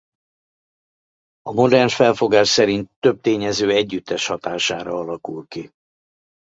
A modern felfogás szerint több tényező együttes hatására alakul ki.